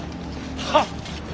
はっ！